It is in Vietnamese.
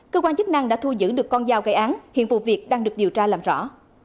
cơ quan chức năng đã thu giữ được con dao gây án hiện vụ việc đang được điều tra làm rõ